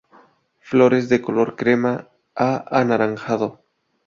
Flores: de color crema a anaranjado.